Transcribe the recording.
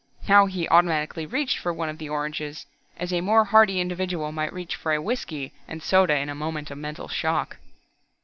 Now he automatically reached for one of the oranges, as a more hardy individual might reach for a whisky and soda in a moment of mental shock.